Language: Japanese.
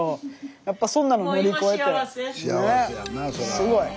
すごい！